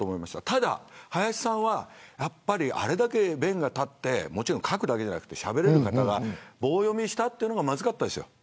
ただ、林さんはあれだけ弁が立って書くだけじゃなくてしゃべれる方が棒読みしたというのがまずかったですよ。